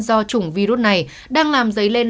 do chủng virus này đang làm giấy lên